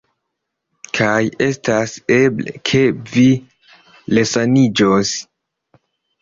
Kaj estas eble, ke vi resaniĝos?